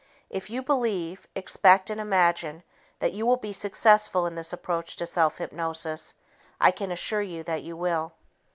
If you believe, expect and imagine that you will be successful in this approach to self hypnosis, I can assure you that you will.